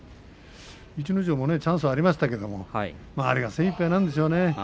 逸ノ城もチャンスはありましたがあれが精いっぱいじゃないでしょうかね。